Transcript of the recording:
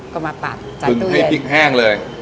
ก็มาปั่นจากตู้เย็นคือให้พริกแห้งเลย